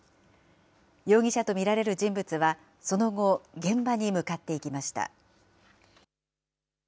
容疑者と見られる人物は、その後、現場に向かっていきました。